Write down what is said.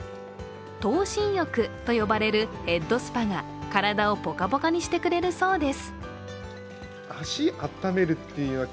頭浸浴と呼ばれるヘッドスパが体をポカポカにしてくれるそうです。